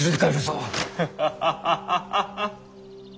ハハハハハハ。